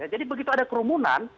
jadi begitu ada kerumunan